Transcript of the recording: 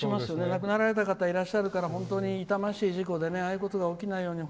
亡くなられた方いらっしゃるから本当に痛ましい事故でああいうふうなことが起きないように。